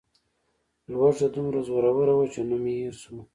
لوږه دومره زور وه چې نوم مې هېر شو.